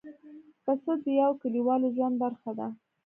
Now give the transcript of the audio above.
پسه د یوه کلیوالو ژوند برخه ده.